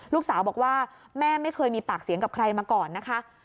ลูกสาวบอกว่าแม่ไม่เคยมีปากเสียงกับใครมาก่อนนะคะ